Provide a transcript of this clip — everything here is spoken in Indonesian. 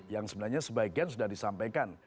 yang sebenarnya sebagian sudah disampaikan